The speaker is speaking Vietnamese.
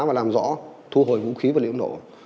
và làm rõ thu hồi vũ khí vật liệu nổ